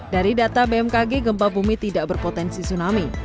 dari data bmkg gempa bumi tidak berpotensi tsunami